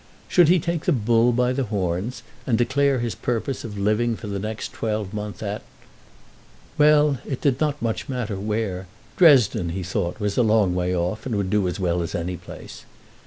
Should he take the bull by the horns, and declare his purpose of living for the next twelvemonth at ; well, it did not much matter where; Dresden, he thought, was a long way off, and would do as well as any place.